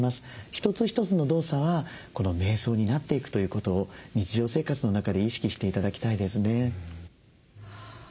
一つ一つの動作はめい想になっていくということを日常生活の中で意識して頂きたいですね。